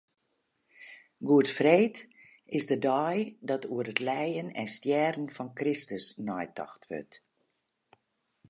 Goedfreed is de dei dat oer it lijen en stjerren fan Kristus neitocht wurdt.